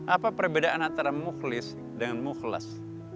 apa perbedaan antara mukhlis dengan mukhlas